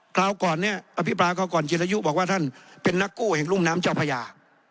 คราวก่อนเนี่ยอภิปรายเขาก่อนจิรยุบอกว่าท่านเป็นนักกู้แห่งรุ่มน้ำเจ้าพญา